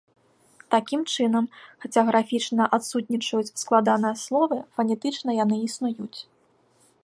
Такім чынам, хаця графічна адсутнічаюць складаныя словы, фанетычна яны існуюць.